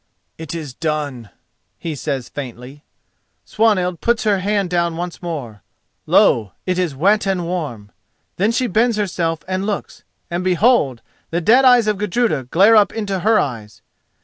"It is done!" he says faintly. Swanhild puts down her hand once more. Lo! it is wet and warm. Then she bends herself and looks, and behold! the dead eyes of Gudruda glare up into her eyes.